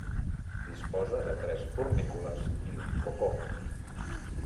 Disposa de tres fornícules i un cocó.